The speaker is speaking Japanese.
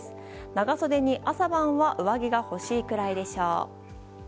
長袖に、朝晩は上着が欲しいくらいでしょう。